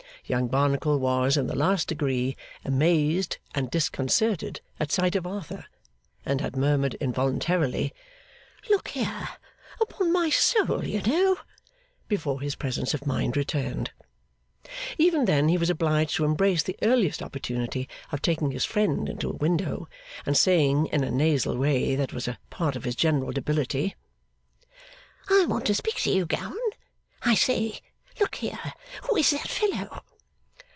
Young Barnacle was in the last degree amazed and disconcerted at sight of Arthur, and had murmured involuntarily, 'Look here! upon my soul, you know!' before his presence of mind returned. Even then, he was obliged to embrace the earliest opportunity of taking his friend into a window, and saying, in a nasal way that was a part of his general debility: 'I want to speak to you, Gowan. I say. Look here. Who is that fellow?